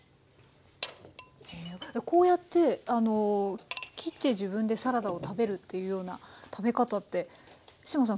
こうやって切って自分でサラダを食べるっていうような食べ方って志麻さん